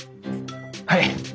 はい！